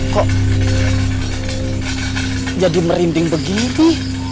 kok jadi merinding begitu